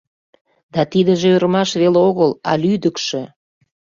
Да тидыже ӧрмаш веле огыл, а лӱдыкшӧ!